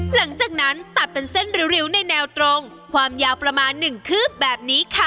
หลังจากนั้นตัดเป็นเส้นริ้วในแนวตรงความยาวประมาณ๑คืบแบบนี้ค่ะ